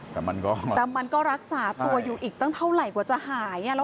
แต่มันก็แต่มันก็รักษาตัวอยู่อีกตั้งเท่าไหร่กว่าจะหาย